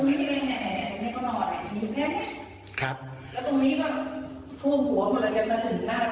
อุ้ยแม่งแม่งแม่งไม่เขานอนครับแล้วตรงนี้ว่า